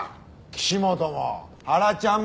岸本もハラちゃんも。